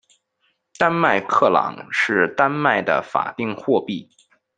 丹麦克朗是丹麦的法定货币。